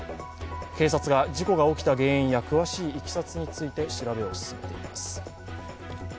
警察が事故が起きた原因や詳しいいきさつについて調べを進めています。